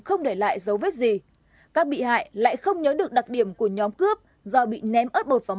không để lại dấu vết gì các bị hại lại không nhớ được đặc điểm của nhóm cướp do bị ném ớt bột vào